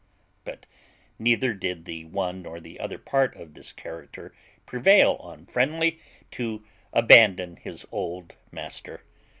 But neither did the one nor the other part of this character prevail on Friendly to abandon his old master.